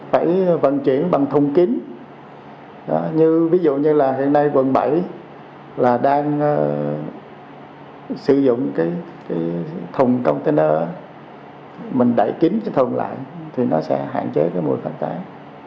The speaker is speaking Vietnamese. phải vận chuyển bằng thùng kín ví dụ như hiện nay quận bảy đang sử dụng thùng container mình đẩy kín thùng lại thì nó sẽ hạn chế mùi phản tác